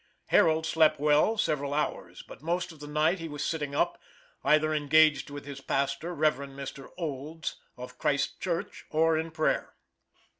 Harold slept well several hours, but most of the night he was sitting up, either engaged with his pastor, Rev. Mr. Olds, of Christ Church, or in prayer.